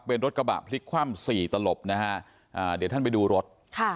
เป็นรถกระบะพลิกคว่ำสี่ตลบนะฮะอ่าเดี๋ยวท่านไปดูรถค่ะ